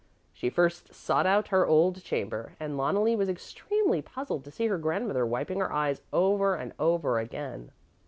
She first sought out her old chamber, and Loneli was extremely puzzled to see her grandmother wiping her eyes over and over again.